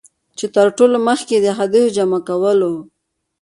چي تر ټولو مخکي یې د احادیثو جمع کولو.